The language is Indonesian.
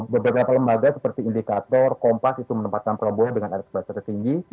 beberapa lembaga seperti indikator kompas itu menempatkan prabowo dengan elektabilitas tertinggi